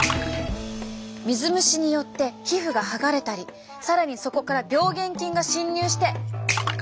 水虫によって皮膚が剥がれたり更にそこから病原菌が侵入して。